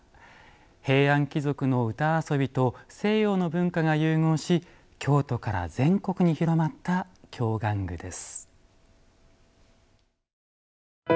平安貴族の歌遊びと西洋の文化が融合し京都から全国に広まった京玩具です。